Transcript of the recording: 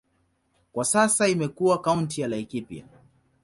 Kwa sasa imekuwa kaunti ya Laikipia.